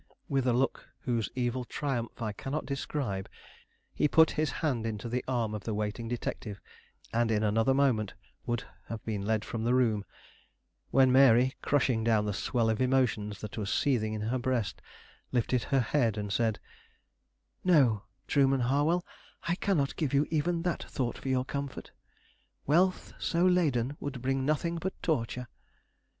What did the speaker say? With a look whose evil triumph I cannot describe, he put his hand into the arm of the waiting detective, and in another moment would have been led from the room; when Mary, crushing down the swell of emotions that was seething in her breast, lifted her head and said: "No, Trueman Harwell; I cannot give you even that thought for your comfort. Wealth so laden would bring nothing but torture.